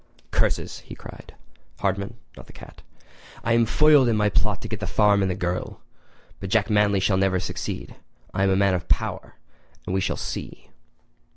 "Curses!" he cried—Hardman, not the cat—"I am foiled in my plot to get the farm and the girl! But Jack Manly shall never succeed! I am a man of power—and we shall see!"